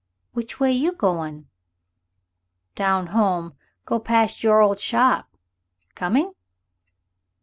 "Which way you goin'?" "Down home go past your old shop. Coming?"